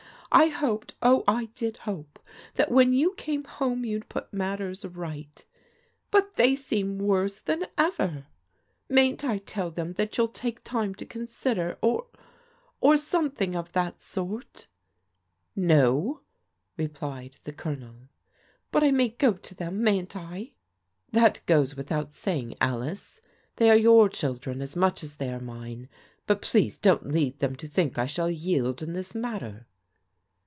I hoped, oh, I did hope, that when you came home you'd put mat ters right. But they seem worse than ever. Mayn't I tell them that you'll take time to consider, or — or some thing of that sort ?"" No," replied the Colonel. " But I may go to them, mayn't I ?" "That goes without saying, Alice. They are your children as much as they are mine, but please don't lead them to think I shall yield in this matter."